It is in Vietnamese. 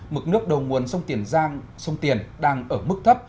mực nước đầu nguồn sông tiền giang sông tiền đang ở mức thấp